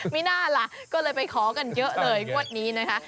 ไม่น่าล่ะก็เลยไปขอกันเยอะเลยงวดนี้นะคะ